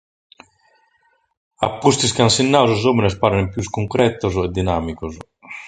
A pustis de su gol sos òmines parent prus cuncretos e dinàmicos.